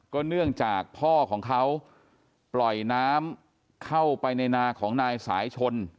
เนื่องจากพ่อของเขาปล่อยน้ำเข้าไปในนาของนายสายชน